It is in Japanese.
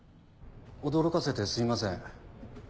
驚かせてすみません。